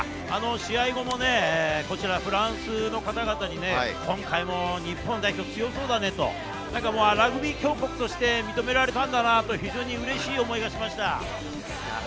試合後もフランスの方々に、今回も日本代表、強そうだねと、ラグビー強国として認められたんだなと非常にうれしい思いがしました。